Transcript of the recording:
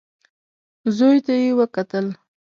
زوی ته يې وکتل.